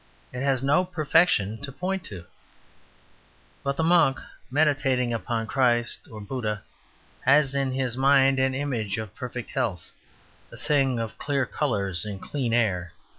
It has no perfection to point to. But the monk meditating upon Christ or Buddha has in his mind an image of perfect health, a thing of clear colours and clean air.